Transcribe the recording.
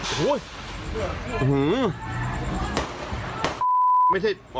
โอ้โหยังไม่หยุดนะครับ